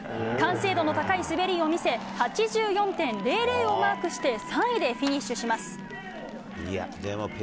完成度の高い滑りを見せ８４．００をマークして３位でフィニッシュします。